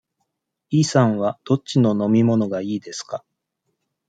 イさんはどっちの飲み物がいいですか。